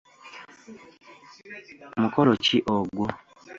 Mukolo ki ogwo?